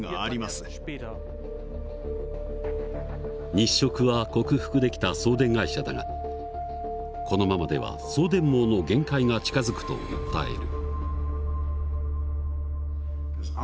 日食は克服できた送電会社だがこのままでは送電網の限界が近づくと訴える。